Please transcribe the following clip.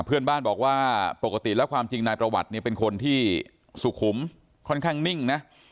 เพื่อนบ้านบอกว่าปกติแล้วความจริงนายประวัติเนี่ยเป็นคนที่สุขุมค่อนข้างนิ่งนะ